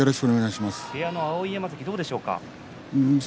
部屋の碧山関、どうでしょうか？